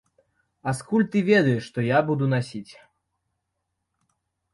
А скуль ты ведаеш, што я буду насіць?